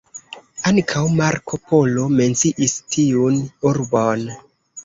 Ankaŭ Marko Polo menciis tiun urbon.